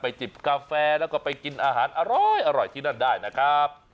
จิบกาแฟแล้วก็ไปกินอาหารอร่อยที่นั่นได้นะครับ